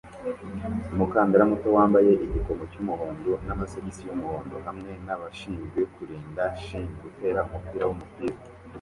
Umukandara muto wambaye igikomo cyumuhondo namasogisi yumuhondo hamwe nabashinzwe kurinda shin utera umupira wumupira wamaguru wijimye